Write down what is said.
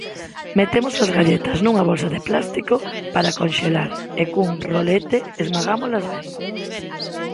Metemos as galletas nunha bolsa de plástico para conxelar e cun rolete esmagámolas ben.